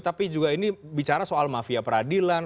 tapi juga ini bicara soal mafia peradilan